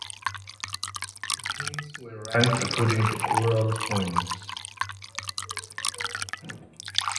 The teams were ranked according to overall points.